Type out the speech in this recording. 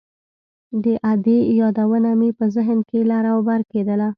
د ادې يادونه مې په ذهن کښې لر بر کېدل.